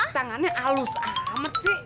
tangannya halus amat sih